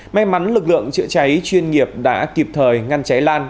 may mắn lực lượng chữa cháy chuyên nghiệp đã kịp thời ngăn cháy lan